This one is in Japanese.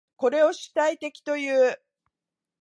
これを主体的という。